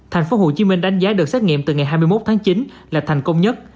tp hcm đánh giá được xét nghiệm từ ngày hai mươi một tháng chín là thành công nhất